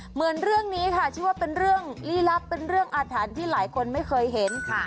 เหมือนเรื่องนี้ค่ะชื่อว่าเป็นเรื่องลี้ลับเป็นเรื่องอาถรรพ์ที่หลายคนไม่เคยเห็นค่ะ